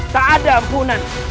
tak ada ampunan